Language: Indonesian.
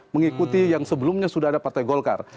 mengikuti yang sebelumnya sudah ada partai golkar